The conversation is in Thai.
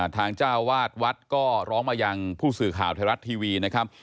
ทางเจ้าวาดวัดก็ร้องมายังผู้สื่อข่าวไทยรัฐทีวีนะครับ